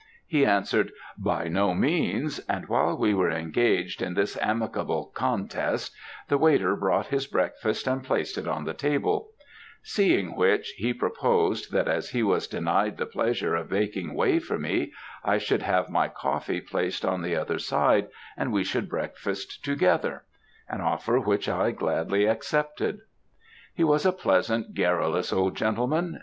He answered, "by no means." And while we were engaged in this amicable contest, the waiter brought his breakfast, and placed it on the table; seeing which, he proposed, that as he was denied the pleasure of making way for me, I should have my coffee placed on the other side, and we should breakfast together; an offer which I gladly accepted. He was a pleasant, garrulous, old gentleman.